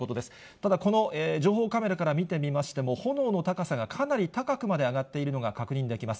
ただ、この情報カメラから見てみましても、炎の高さがかなり高くまで上がっているのが確認できます。